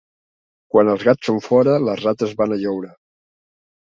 Quan els gats són fora les rates van a lloure.